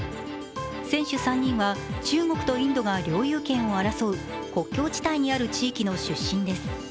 選手３人は中国とインドが領有権を争う国境地帯にある地域の出身です。